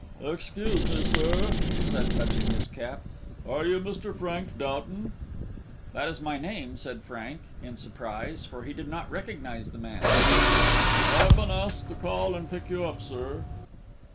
"Excuse me, sir," he said, touching his cap, "are you Mr. Frank Doughton?" "That is my name," said Frank, in surprise, for he did not recognize the man. "I have been asked to call and pick you up, sir."